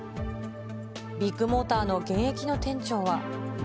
ビッグモーターの現役の店長は。